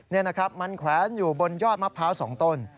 นี่นะครับมันแขวนอยู่บนยอดมะพร้าว๒ต้น